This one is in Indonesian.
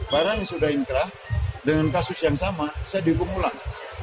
barang yang sudah inkrah dengan kasus yang sama sedih pengulaan